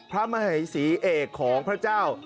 พระมหัยศรีเอกของพระเจ้า